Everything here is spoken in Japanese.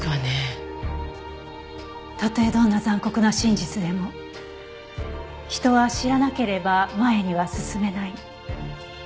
たとえどんな残酷な真実でも人は知らなければ前には進めない。